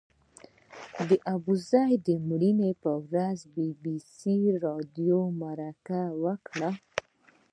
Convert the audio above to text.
د ابوزید د مړینې پر ورځ بي بي سي راډیو مرکه وکړه.